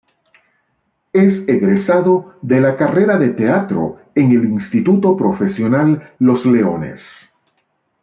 Es egresado de la carrera de teatro en el Instituto Profesional Los Leones.